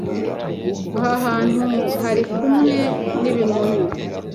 Aha hantu harikumwe n'ibimonyo.